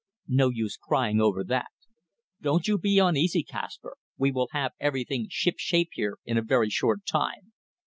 No use crying over that. Don't you be uneasy, Kaspar. We will have everything ship shape here in a very short time."